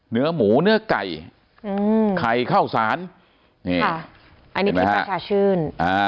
เนื้อหมูเนื้อไก่ไข่ข้าวสารนี่ค่ะอันนี้ที่ประชาชื่น